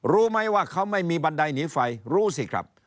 รู้ไหมว่าเขาไม่มีบันไดหนีไฟรู้สิครับ